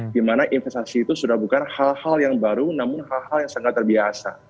dimana investasi itu sudah bukan hal hal yang baru namun hal hal yang sangat terbiasa